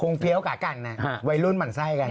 เฟี้ยวกะกันวัยรุ่นหมั่นไส้กัน